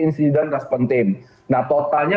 incident response team nah totalnya